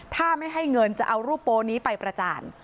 ถ้าไม่ให้เงินจะเอารูปโป๊นี้ไปประจาน